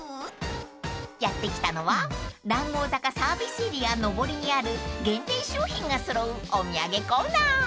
［やって来たのは談合坂サービスエリア上りにある限定商品が揃うお土産コーナー］